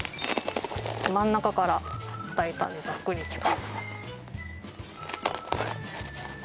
真ん中から大胆にザックリいきます